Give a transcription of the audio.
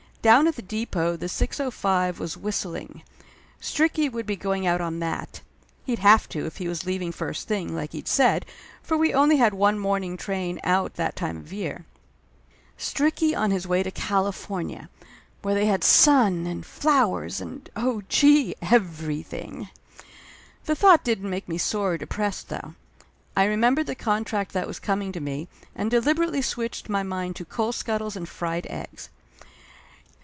Down at the depot the 6.05 was whistling. Stricky would be going out on that. He'd have to, if he was leaving first thing, like he'd said, for we only had one morning train out that time of year. 38 Laughter Limited Stricky on his way to California where they had sun and flowers and oh, gee everything ! The thought didn't make me sore or depressed, though. I remembered the contract that was coming to me, and deliberately switched my mind to coal scuttles and fried eggs.